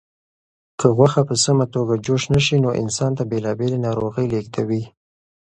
که غوښه په سمه توګه جوش نشي نو انسان ته بېلابېلې ناروغۍ لېږدوي.